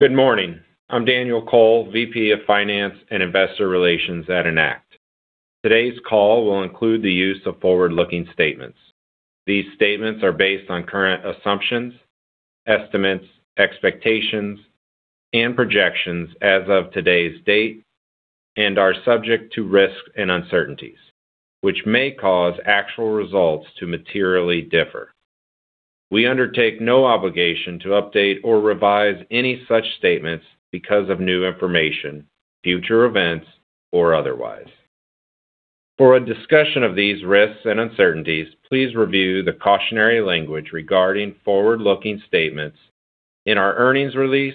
Good morning. I'm Daniel Cole, VP of Finance and Investor Relations at Enact. Today's call will include the use of forward-looking statements. These statements are based on current assumptions, estimates, expectations, and projections as of today's date and are subject to risks and uncertainties which may cause actual results to materially differ. We undertake no obligation to update or revise any such statements because of new information, future events, or otherwise. For a discussion of these risks and uncertainties, please review the cautionary language regarding forward-looking statements in our earnings release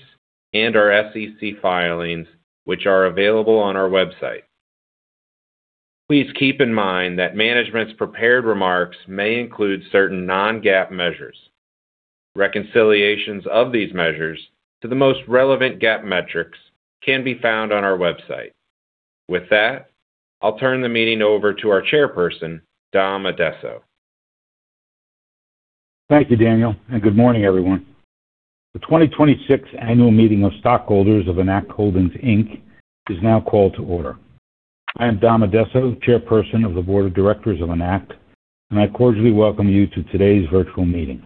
and our SEC filings, which are available on our website. Please keep in mind that management's prepared remarks may include certain non-GAAP measures. Reconciliations of these measures to the most relevant GAAP metrics can be found on our website. With that, I'll turn the meeting over to our chairperson, Dom Addesso. Thank you, Daniel, and good morning, everyone. The 2026 annual meeting of stockholders of Enact Holdings, Inc is now called to order. I am Dom Addesso, chairperson of the board of directors of Enact, and I cordially welcome you to today's virtual meeting.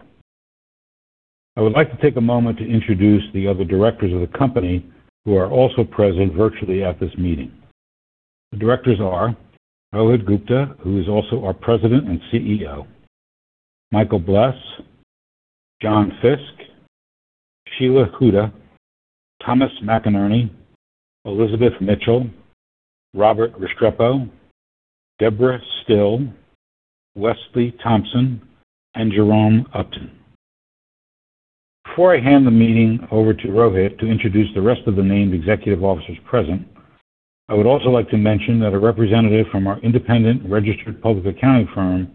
I would like to take a moment to introduce the other directors of the company who are also present virtually at this meeting. The directors are Rohit Gupta, who is also our president and CEO, Michael Bless, John Fisk, Sheila Hooda, Thomas McInerney, Elizabeth Mitchell, Robert Restrepo, Debra Still, Westley Thompson, and Jerome Upton. Before I hand the meeting over to Rohit to introduce the rest of the named executive officers present, I would also like to mention that a representative from our independent registered public accounting firm,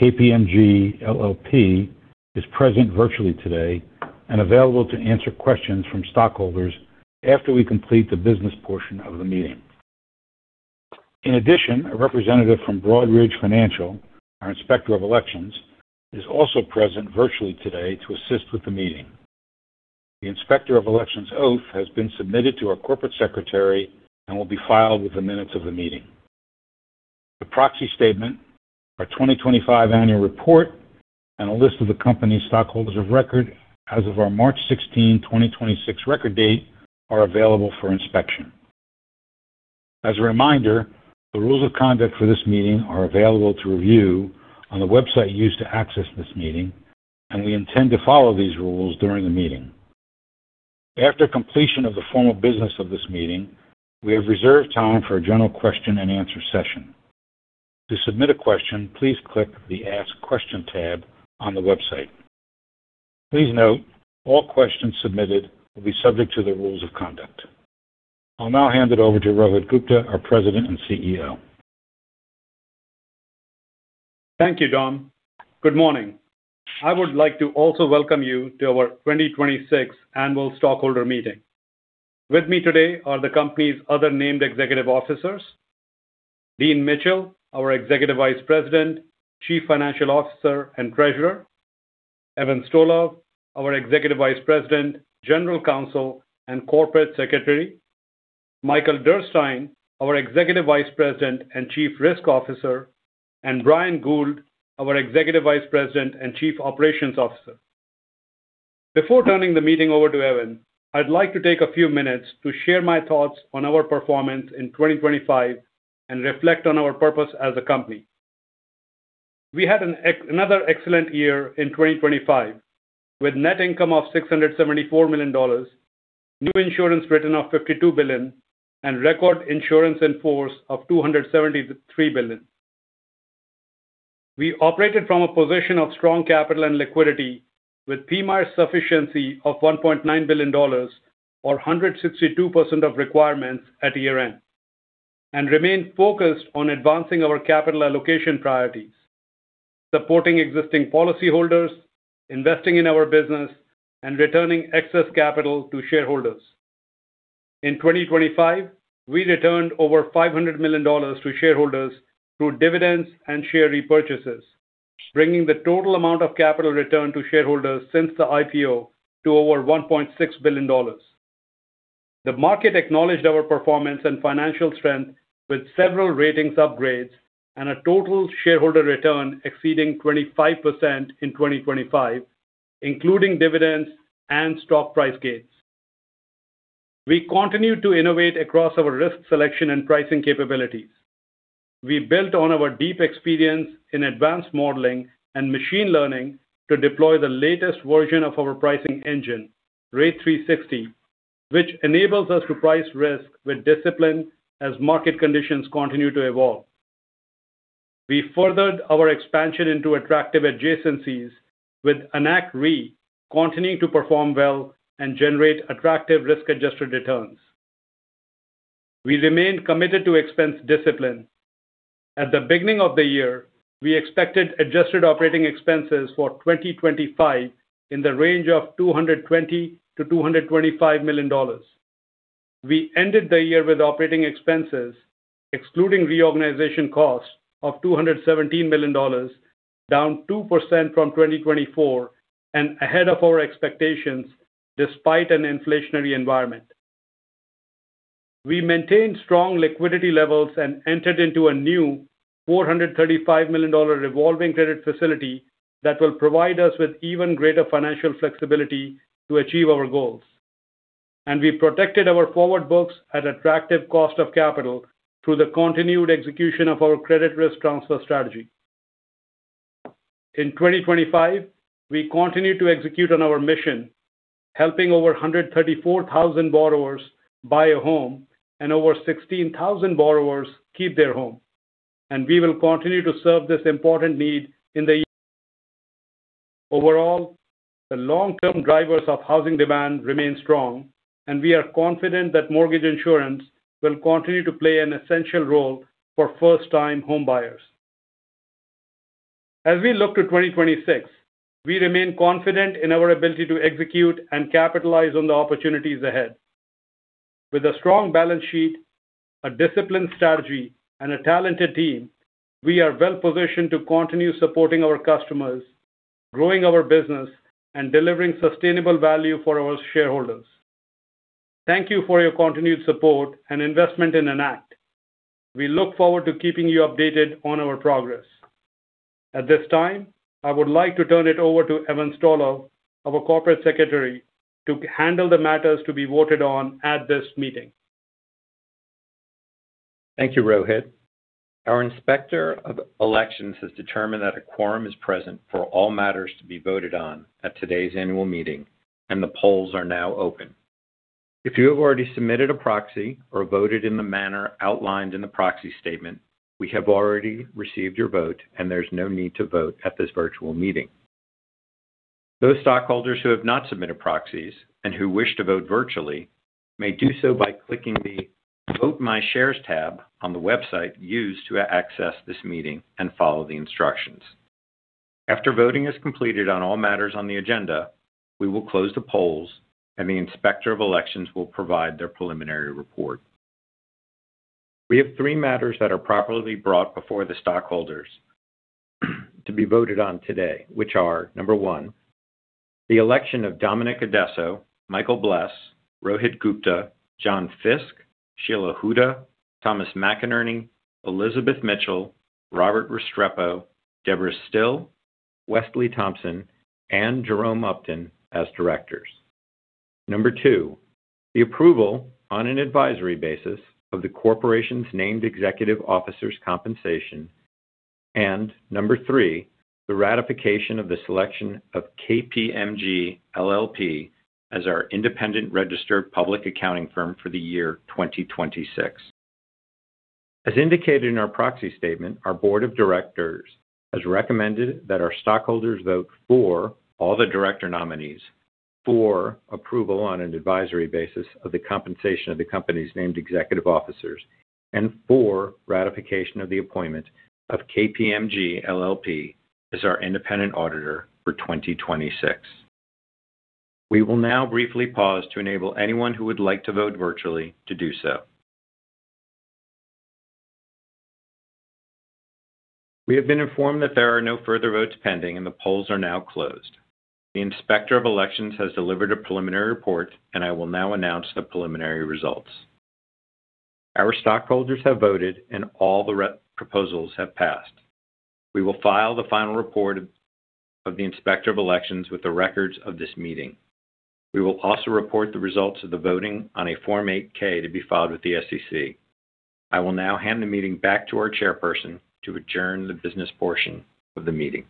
KPMG LLP, is present virtually today and available to answer questions from stockholders after we complete the business portion of the meeting. In addition, a representative from Broadridge Financial, our Inspector of Elections, is also present virtually today to assist with the meeting. The Inspector of Elections' oath has been submitted to our corporate secretary and will be filed with the minutes of the meeting. The proxy statement, our 2025 annual report, and a list of the company's stockholders of record as of our March 16, 2026 record date are available for inspection. As a reminder, the rules of conduct for this meeting are available to review on the website used to access this meeting, and we intend to follow these rules during the meeting. After completion of the formal business of this meeting, we have reserved time for a general question-and-answer session. To submit a question, please click the Ask Question tab on the website. Please note all questions submitted will be subject to the rules of conduct. I'll now hand it over to Rohit Gupta, our President and CEO. Thank you, Dom. Good morning. I would like to also welcome you to our 2026 annual stockholder meeting. With me today are the company's other named executive officers, Dean Mitchell, our Executive Vice President, Chief Financial Officer, and Treasurer, Evan Stolove, our Executive Vice President, General Counsel, and Corporate Secretary, Mike Derstine, our Executive Vice President and Chief Risk Officer, and Brian Gould, our Executive Vice President and Chief Operations Officer. Before turning the meeting over to Evan, I'd like to take a few minutes to share my thoughts on our performance in 2025 and reflect on our purpose as a company. We had another excellent year in 2025 with net income of $674 million, new insurance written of $52 billion, and record insurance in force of $273 billion. We operated from a position of strong capital and liquidity with PMIER sufficiency of $1.9 billion or 162% of requirements at year-end and remain focused on advancing our capital allocation priorities, supporting existing policyholders, investing in our business, and returning excess capital to shareholders. In 2025, we returned over $500 million to shareholders through dividends and share repurchases, bringing the total amount of capital returned to shareholders since the IPO to over $1.6 billion. The market acknowledged our performance and financial strength with several ratings upgrades and a total shareholder return exceeding 25% in 2025, including dividends and stock price gains. We continue to innovate across our risk selection and pricing capabilities. We built on our deep experience in advanced modeling and machine learning to deploy the latest version of our pricing engine, Rate360, which enables us to price risk with discipline as market conditions continue to evolve. We furthered our expansion into attractive adjacencies with Enact Re continuing to perform well and generate attractive risk-adjusted returns. We remain committed to expense discipline. At the beginning of the year, we expected adjusted operating expenses for 2025 in the range of $220 million-$225 million. We ended the year with operating expenses, excluding reorganization costs of $217 million, down 2% from 2024 and ahead of our expectations despite an inflationary environment. We maintained strong liquidity levels and entered into a new $435 million revolving credit facility that will provide us with even greater financial flexibility to achieve our goals. We protected our forward books at attractive cost of capital through the continued execution of our credit risk transfer strategy. In 2025, we continued to execute on our mission, helping over 134,000 borrowers buy a home and over 16,000 borrowers keep their home. We will continue to serve this important need. Overall, the long-term drivers of housing demand remain strong, and we are confident that mortgage insurance will continue to play an essential role for first-time homebuyers. As we look to 2026, we remain confident in our ability to execute and capitalize on the opportunities ahead. With a strong balance sheet, a disciplined strategy, and a talented team, we are well-positioned to continue supporting our customers, growing our business, and delivering sustainable value for our shareholders. Thank you for your continued support and investment in Enact. We look forward to keeping you updated on our progress. At this time, I would like to turn it over to Evan Stolove, our Corporate Secretary, to handle the matters to be voted on at this meeting. Thank you, Rohit. Our Inspector of Elections has determined that a quorum is present for all matters to be voted on at today's annual meeting, and the polls are now open. If you have already submitted a proxy or voted in the manner outlined in the proxy statement, we have already received your vote, and there's no need to vote at this virtual meeting. Those stockholders who have not submitted proxies and who wish to vote virtually may do so by clicking the Vote My Shares tab on the website used to access this meeting and follow the instructions. After voting is completed on all matters on the agenda, we will close the polls, and the Inspector of Elections will provide their preliminary report. We have three matters that are properly brought before the stockholders to be voted on today, which are number one, the election of Dominic Addesso, Michael Bless, Rohit Gupta, John Fisk, Sheila Hooda, Thomas McInerney, Elizabeth Mitchell, Robert Restrepo, Debra Still, Westley Thompson, and Jerome Upton as directors. Number two, the approval on an advisory basis of the corporation's named executive officers' compensation. Number three, the ratification of the selection of KPMG LLP as our independent registered public accounting firm for the year 2026. As indicated in our proxy statement, our board of directors has recommended that our stockholders vote for all the director nominees for approval on an advisory basis of the compensation of the company's named executive officers and for ratification of the appointment of KPMG LLP as our independent auditor for 2026. We will now briefly pause to enable anyone who would like to vote virtually to do so. We have been informed that there are no further votes pending, and the polls are now closed. The Inspector of Elections has delivered a preliminary report, and I will now announce the preliminary results. Our stockholders have voted, and all the proposals have passed. We will file the final report of the Inspector of Elections with the records of this meeting. We will also report the results of the voting on a Form 8-K to be filed with the SEC. I will now hand the meeting back to our chairperson to adjourn the business portion of the meeting.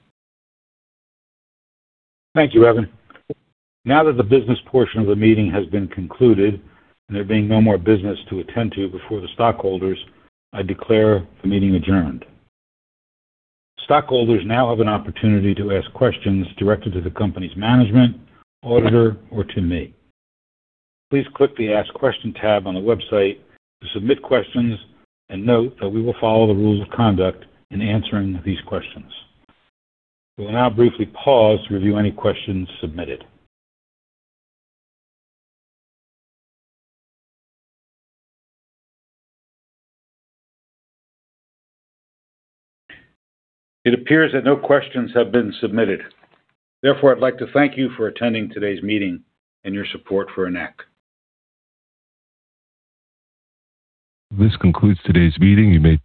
Thank you, Evan. Now that the business portion of the meeting has been concluded, and there being no more business to attend to before the stockholders, I declare the meeting adjourned. Stockholders now have an opportunity to ask questions directly to the company's management, auditor, or to me. Please click the Ask Question tab on the website to submit questions and note that we will follow the rules of conduct in answering these questions. We will now briefly pause to review any questions submitted. It appears that no questions have been submitted. Therefore, I'd like to thank you for attending today's meeting and your support for Enact. This concludes today's meeting.